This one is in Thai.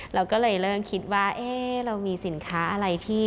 เราก็เลยเริ่มคิดว่าเรามีสินค้าอะไรที่